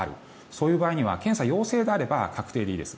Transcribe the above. そういう場合には検査が陽性であれば確定でいいです。